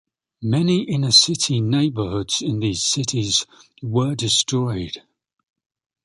Many inner city neighborhoods in these cities were destroyed.